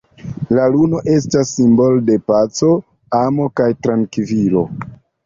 La luno estas simbolo de paco, amo, kaj trankvilo.